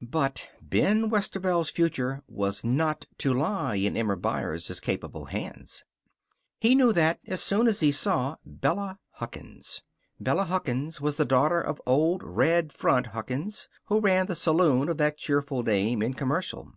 But Ben Westerveld's future was not to lie in Emma Byers' capable hands. He knew that as soon as he saw Bella Huckins. Bella Huckins was the daughter of old "Red Front" Huckins, who ran the saloon of that cheerful name in Commercial.